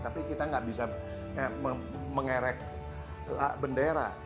tapi kita nggak bisa mengerek bendera